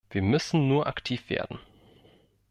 Wir müssen nur aktiv werden.